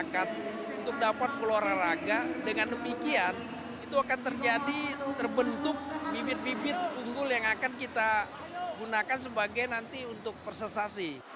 kubite unggul yang akan kita gunakan sebagai nanti untuk persensasi